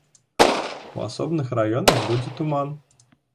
У асобных раёнах будзе туман.